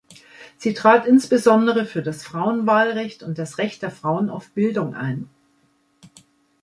Sie trat insbesondere für das Frauenwahlrecht und das Recht der Frauen auf Bildung ein.